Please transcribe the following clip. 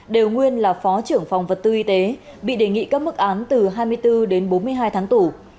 đều nguyên là phó trưởng phòng vật tư y tế bị đề nghị các mức án từ hai mươi bốn đến bốn mươi hai tháng tù